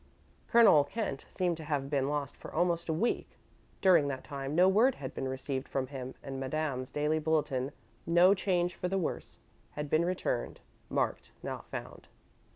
Colonel Kent seemed to have been lost for almost a week. During that time no word had been received from him and Madame's daily bulletin: "No change for the worse," had been returned, marked "not found."